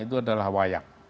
itu adalah wayang